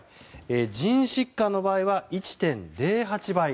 腎疾患の場合は１．０８倍